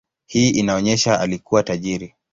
Hii inaonyesha alikuwa tajiri.